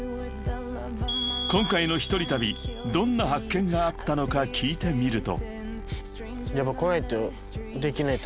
［今回の一人旅どんな発見があったのか聞いてみると］